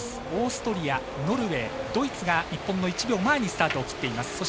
オーストリア、ノルウェードイツが日本の１秒前にスタートを切っています。